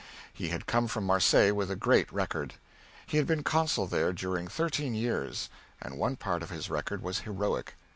He had come from Marseilles with a great record. He had been consul there during thirteen years, and one part of his record was heroic.